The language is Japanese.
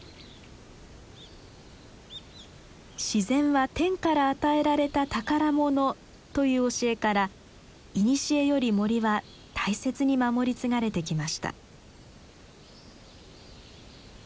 「自然は天から与えられた宝物」という教えからいにしえより森は大切に守り継がれてきました。